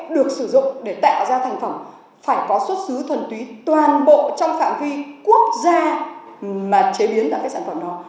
được sử dụng để tạo ra thành phẩm phải có xuất xứ thuần túy toàn bộ trong phạm vi quốc gia mà chế biến ra cái sản phẩm đó